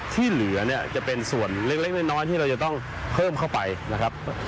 ที่เหลือเนี่ยจะเป็นส่วนเล็กน้อยที่เราจะต้องเพิ่มเข้าไปนะครับ